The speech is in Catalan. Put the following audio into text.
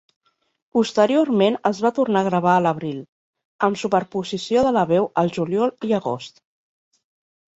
Posteriorment es va tornar a gravar a l'abril, amb superposició de la veu al juliol i agost.